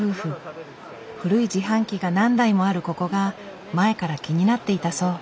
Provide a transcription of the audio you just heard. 古い自販機が何台もあるここが前から気になっていたそう。